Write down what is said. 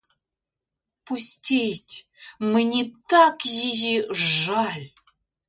Пустіть: мені так її жаль!